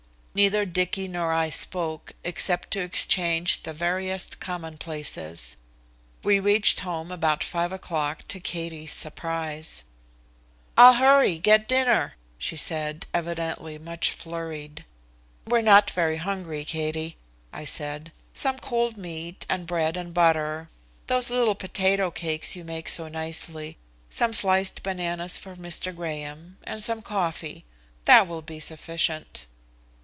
Neither Dicky nor I spoke, except to exchange the veriest commonplaces. We reached home about 5 o'clock to Katie's surprise. "I'll hurry, get dinner," she said, evidently much flurried. "We're not very hungry, Katie," I said. "Some cold meat and bread and butter, those little potato cakes you make so nicely, some sliced bananas for Mr. Graham and some coffee that will be sufficient."